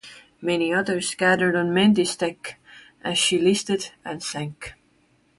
Many others gathered on "Mendi"s deck as she listed and sank.